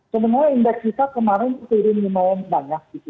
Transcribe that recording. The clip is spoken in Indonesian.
sebenarnya indeks kita kemarin kemungkinan lumayan banyak